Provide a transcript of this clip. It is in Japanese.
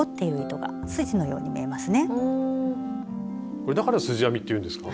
これだから「すじ編み」っていうんですか？